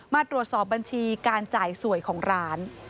มาตรวจสอบบัญชีการจ่ายสวยของร้าน